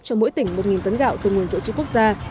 cho mỗi tỉnh một tấn gạo từ nguồn dự trữ quốc gia